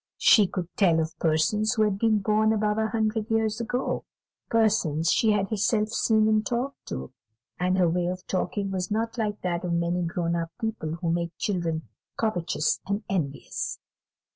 She could tell of persons who had been born above a hundred years ago, persons she had herself seen and talked to; and her way of talking was not like that of many grown up people who make children covetous and envious.